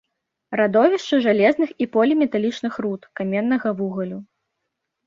Радовішчы жалезных і поліметалічных руд, каменнага вугалю.